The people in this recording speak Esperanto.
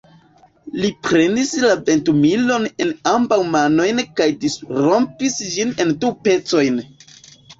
Li prenis la ventumilon en ambaŭ manojn kaj disrompis ĝin en du pecojn.